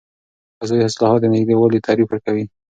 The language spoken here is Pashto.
فضايي اصطلاحات د نږدې والي تعریف ورکوي.